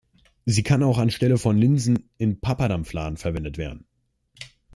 Sie kann auch anstelle von Linsen in Papadam-Fladen verwendet werden.